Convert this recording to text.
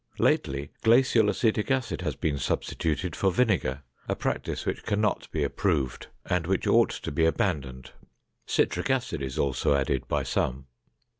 Lately, glacial acetic acid has been substituted for vinegar, a practice which can not be approved and which ought to be abandoned. Citric acid is also added by some.